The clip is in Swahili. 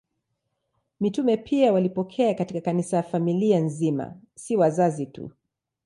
Mitume pia walipokea katika Kanisa familia nzima, si wazazi tu.